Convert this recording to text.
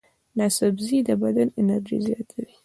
دا سبزی د بدن انرژي زیاتوي.